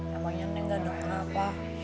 namanya neng gak dengar apa